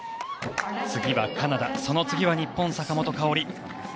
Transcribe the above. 次はカナダその次は日本、坂本花織。